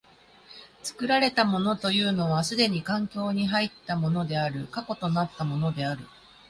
作られたものというのは既に環境に入ったものである、過去となったものである。